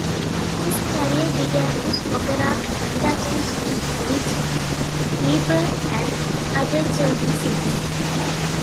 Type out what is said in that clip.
His career began with opera conducting in Munich, Freiburg, and other German cities.